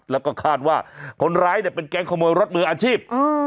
แล้วก็คาดว่าคนร้ายเนี่ยเป็นแก๊งขโมยรถมืออาชีพ